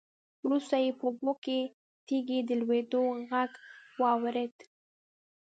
وروسته يې په اوبو کې د تېږې د لوېدو غږ واورېد.